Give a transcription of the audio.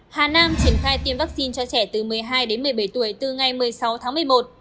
hà nam triển khai tiêm vaccine cho trẻ từ một mươi hai đến một mươi bảy tuổi từ ngày một mươi sáu tháng một mươi một